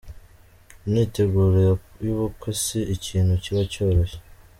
Imyiteguro y’ubukwe si ikintu kiba cyoroshye.